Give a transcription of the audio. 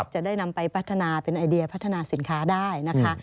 จะได้นำไปพัฒนาเป็นไอเดียพัฒนาสินค้าได้นะคะ